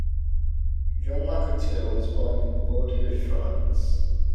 Jean Lacouture was born in Bordeaux, France.